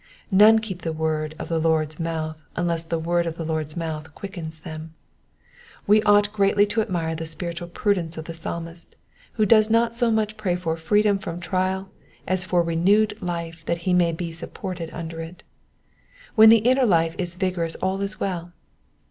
None keep the word of the Lord's mouth unless the word of the Lord's mouth quickens them. We ought greatly to admire the spiritual prudence of the Psalmist, who does not so much pray for freedom from trial as for renewed life that he may be sup ported under it. When the inner life is vigorous all is well.